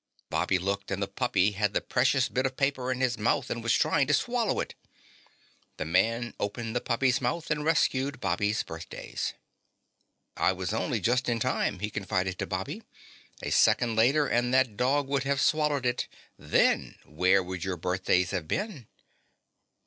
Bobby looked and the puppy had the precious bit of paper in his mouth and was trying to swallow it! The man opened the puppy's mouth and rescued Bobby's birthdays. "I was only just in time," he confided to Bobby. "A second later and that dog would have swallowed it. Then where would your birthdays have been?"